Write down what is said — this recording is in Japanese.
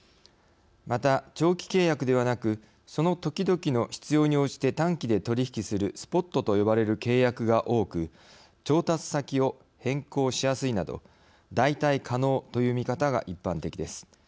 また長期契約ではなくその時々の必要に応じて短期で取り引きするスポットと呼ばれる契約が多く調達先を変更しやすいなど代替可能という見方が一般的です。